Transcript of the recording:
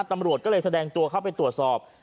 ตำรวจก็เลยแสดงตัวเข้าไปตรวจสอบ